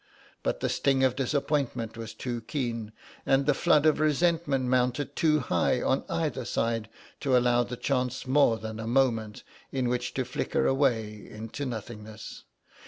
But the sting of disappointment was too keen, and the flood of resentment mounted too high on either side to allow the chance more than a moment in which to flicker away into nothingness.